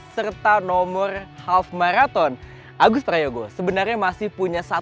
serta nomor half marathon agus prayogo sebenarnya masih punya satu